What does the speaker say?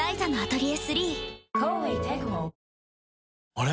あれ？